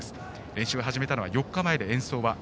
練習を始めたのは４日前。